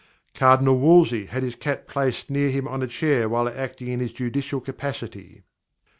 Cardinal Wolsey had his cat placed near him on a chair while acting in his judicial capacity.